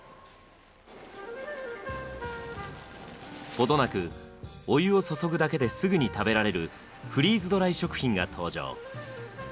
程なくお湯を注ぐだけですぐに食べられるフリーズドライ食品が登場。